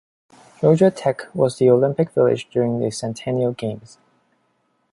Georgia Tech was the Olympic Village during the Centennial Games.